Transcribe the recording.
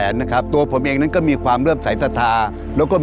เป็นความเชื่อว่าหลวงพ่อพระนอนนั้นได้ให้กำลังใจในการที่จะสร้างสิ่งที่ดีงาม